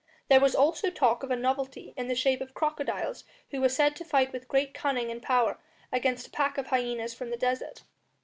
There was also talk of a novelty in the shape of crocodiles who were said to fight with great cunning and power against a pack of hyenas from the desert.